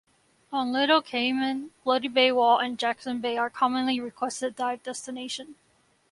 On Little Cayman, 'Bloody Bay Wall' and 'Jackson Bay' are commonly requested dive destinations.